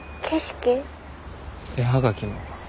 絵葉書の。